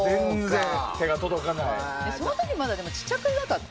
その時まだちっちゃくなかった？